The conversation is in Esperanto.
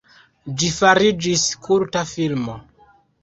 Ĝi fariĝis kulta filmo.